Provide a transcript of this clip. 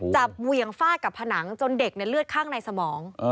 เหวี่ยงฟาดกับผนังจนเด็กเลือดข้างในสมอง